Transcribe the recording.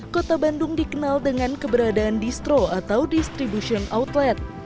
kota bandung dikenal dengan keberadaan distro atau distribution outlet